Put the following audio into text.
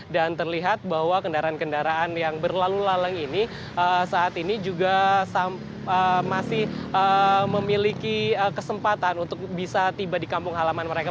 dan terlihat bahwa kendaraan kendaraan yang berlalu lalang ini saat ini juga masih memiliki kesempatan untuk bisa tiba di kampung halaman mereka